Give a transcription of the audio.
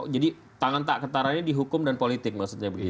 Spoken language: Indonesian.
jadi tangan tak kentara ini dihukum dan politik maksudnya begitu